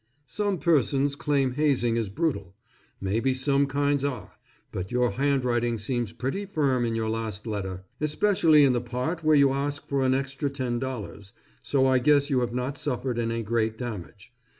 Some persons claim hazing is brutal. Maybe some kinds are; but your handwriting seems pretty firm in your last letter, especially in the part where you ask for an extra $10, so I guess you have not suffered any great damage.